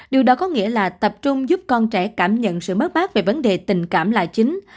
điều đó có nghĩa là tập trung giúp con trẻ cảm nhận sự mất mát về vấn đề tình cảm là chính